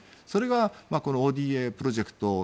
それはこのＯＤＡプロジェクト